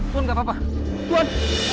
tuhan gak apa apa tuhan